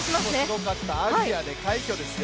すごかった、アジアで快挙ですよ。